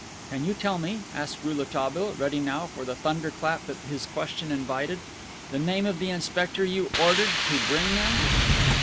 "Can you tell me," asked Rouletabille, ready now for the thunder clap that his question invited, "the name of the inspector you ordered to bring them?"